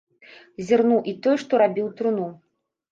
Зірнуў і той, што рабіў труну.